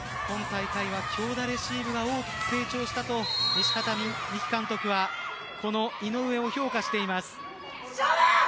今大会は強打レシーブが大きく成長したと西畑美希監督はこの井上を評価しています。